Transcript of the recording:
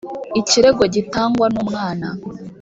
ikirego gitangwa n umwana